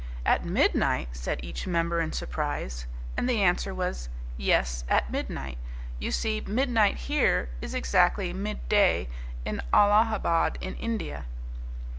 "At midnight!" said each member in surprise. And the answer was, "Yes, at midnight. You see, midnight here is exactly midday in Allahabad in India."